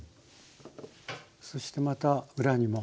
そしてまた裏にも。